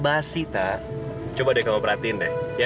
bikin bapak marah terus